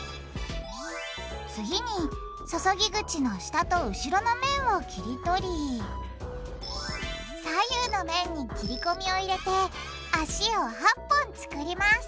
次に注ぎ口の下と後ろの面を切りとり左右の面に切りこみを入れて脚を８本作ります